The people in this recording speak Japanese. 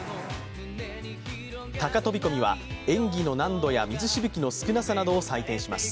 高飛び込みは、演技の難度や水しぶきの少なさなどを採点します。